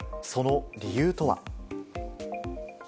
その理由とは。